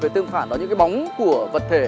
với tương phản đó là những cái bóng của vật thể